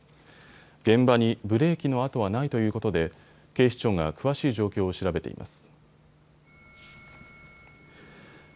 現場にブレーキの跡はないということで警視庁が詳しい状況を調べています。